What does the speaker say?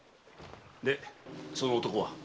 でその男は？